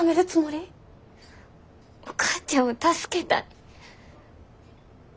お母ちゃんを助けたい。